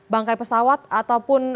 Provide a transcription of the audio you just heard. bangkai pesawat ataupun